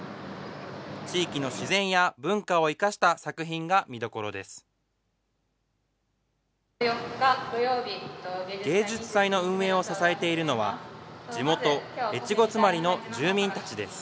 地域の自然や文化を生かした作品が見どころです。